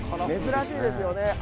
珍しいですよね。